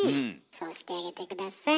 そうしてあげて下さい。